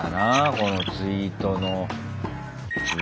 このツイートの仕事が。